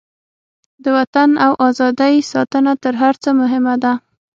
د وطن او ازادۍ ساتنه تر هر څه مهمه ده.